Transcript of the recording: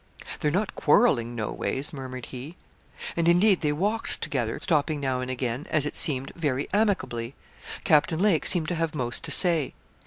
'They're not quarrelling no ways,' murmured he. And, indeed, they walked together, stopping now and again, as it seemed, very amicably. Captain Lake seemed to have most to say.